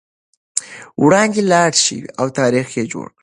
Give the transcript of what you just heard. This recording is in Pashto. وړاندې لاړ شئ او تاریخ جوړ کړئ.